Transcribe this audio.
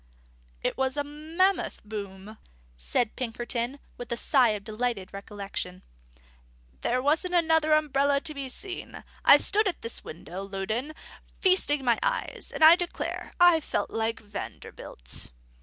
"It was a mammoth boom," said Pinkerton, with a sigh of delighted recollection. "There wasn't another umbrella to be seen. I stood at this window, Loudon, feasting my eyes; and I declare, I felt like Vanderbilt."